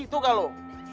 tuh nggak lu